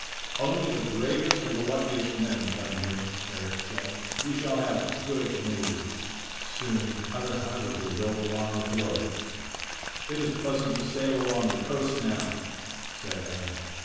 "Only the bravest and the luckiest men come here," Eric said. "We shall have good neighbors." Soon other houses were built along the fiords. "It is pleasant to sail along the coast now," said Eric.